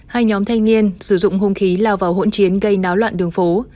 hai nhóm thanh niên sử dụng hung khí lao vào hỗn chiến gây náo loạn đường phố